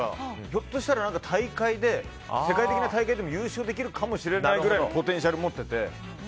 ひょっとしたら世界的な大会で優勝できるかもしれないくらいのポテンシャルを持ってて。